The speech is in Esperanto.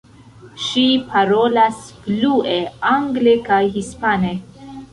Ŝi parolas flue angle kaj hispane.